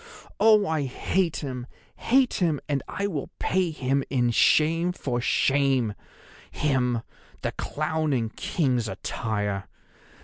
Oh, I hate him, hate him, and I will pay him in shame for shame—him, the clown in king's attire.